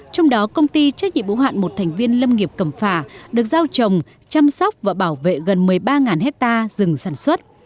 trong đó công ty trách nhiệm ủng hạn một thành viên lâm nghiệp cẩm phả được giao trồng chăm sóc và bảo vệ gần một mươi ba hectare rừng sản xuất